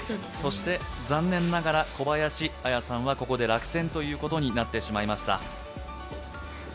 そして、残念ながら小林綾さんはここで落選となってしまいました。